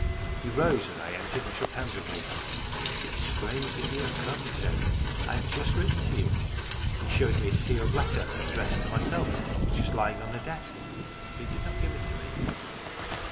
He rose as I entered, and shook hands with me. " It is strange that you have come," he said. " I had just written to you." He showed me a sealed letter addressed to myself, which was lying on the desk, but he did not give it to me.